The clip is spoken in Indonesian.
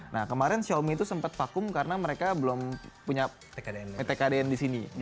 nah kemarin xiaomi itu sempat vakum karena mereka belum punya tkdn di sini